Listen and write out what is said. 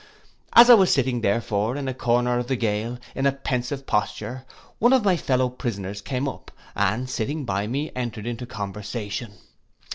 As I was sitting therefore in a corner of the gaol, in a pensive posture, one of my fellow prisoners came up, and sitting by me, entered into conversation.